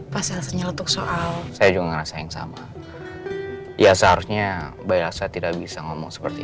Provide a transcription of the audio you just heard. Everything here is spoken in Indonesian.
pas elsa nyeletuk soal saya juga ngerasa yang sama ya seharusnya mbak elsa tidak bisa ngomong seperti